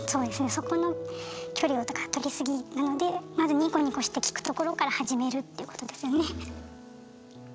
そこの距離をとかとりすぎなのでまずニコニコして聞くところから始めるっていうことですよね。